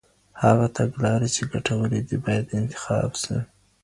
هغه تګلاري چي ګټورې دي، بايد انتخاب سي.